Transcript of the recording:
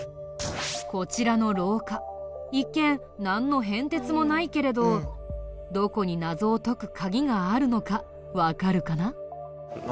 こちらの廊下一見なんの変哲もないけれどどこに謎を解く鍵があるのかわかるかな？